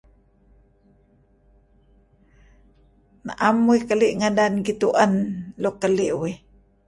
Na'em uih keli' ngadan gitu'en luk keli' wih.